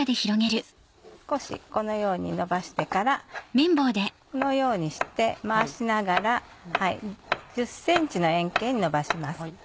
少しこのようにのばしてからこのようにして回しながら１０ｃｍの円形にのばします。